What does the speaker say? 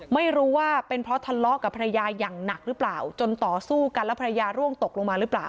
ไม่รู้ว่าเป็นเพราะทะเลาะกับภรรยาอย่างหนักหรือเปล่าจนต่อสู้กันแล้วภรรยาร่วงตกลงมาหรือเปล่า